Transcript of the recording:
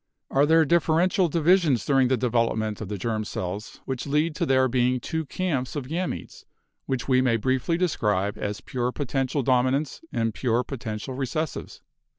Are there differential divisions during the development of the germ cells which lead to there being two camps of gam etes which we may briefly describe as pure potential domi nants and pure potential recessives